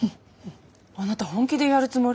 あなた本気でやるつもり？